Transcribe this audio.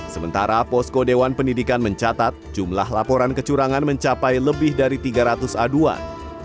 sementara posko dewan pendidikan mencatat jumlah laporan kecurangan mencapai lebih dari tiga ratus aduan